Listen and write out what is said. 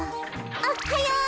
おっはよう！